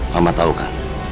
mama tau kan